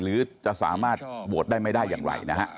หรือจะสามารถโหวตได้ไม่ได้อย่างไรนะฮะ